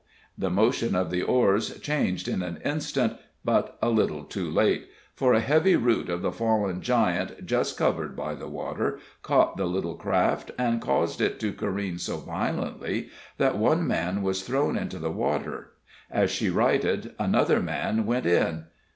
The motion of the oars changed in an instant, but a little too late, for, a heavy root of the fallen giant, just covered by the water, caught the little craft, and caused it to careen so violently that one man was thrown into the water. As she righted, another man went in.